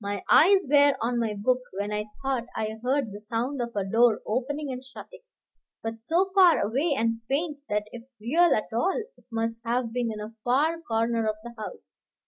My eyes were on my book, when I thought I heard the sound of a door opening and shutting, but so far away and faint that if real at all it must have been in a far corner of the house.